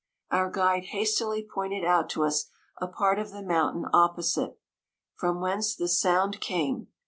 Our guide hastily pointed out to us a part, of the moun tain opposite^, from whence the sound 154 came.